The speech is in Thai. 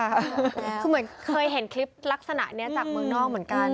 คือเหมือนเคยเห็นคลิปลักษณะนี้จากเมืองนอกเหมือนกัน